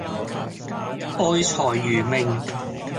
愛財如命